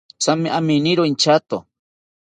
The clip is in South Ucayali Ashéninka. Thame aminiro inchato